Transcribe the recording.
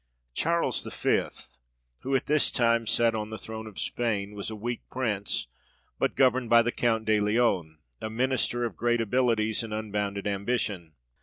Charles the Fifth, who at this time sat on the throne of Spain, was a weak Prince, but governed by the Count de Leon, a Minister of great abilities and unbounded ambition.